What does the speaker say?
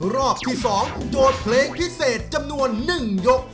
รอบที่๒โจทย์เพลงพิเศษจำนวน๑ยก